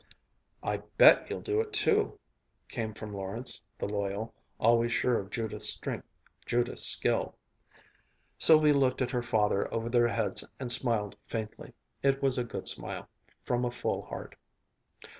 "I bet you'll do it, too," came from Lawrence the loyal, always sure of Judith's strength, Judith's skill. Sylvia looked at her father over their heads and smiled faintly. It was a good smile, from a full heart.